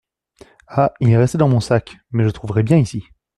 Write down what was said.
Ah ! il est resté dans mon sac ; mais je trouverai bien ici…